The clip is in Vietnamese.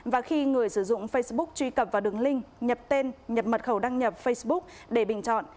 và khi người sử dụng facebook truy cập vào đường link nhập tên nhập mật khẩu đăng nhập facebook để bình chọn